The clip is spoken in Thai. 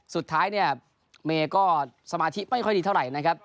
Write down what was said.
สุดท้ายเนี่ยเมย์ก็สมาธิไม่ค่อยดีเท่าไหร่นะครับ